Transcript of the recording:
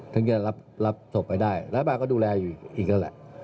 ทั้งเกียรติรับศพไปได้และบางคนก็ดูแลอยู่อีกแล้วแหละ